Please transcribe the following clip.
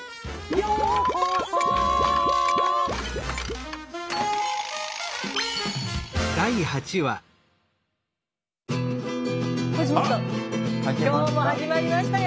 ようこそ今日も始まりましたよ。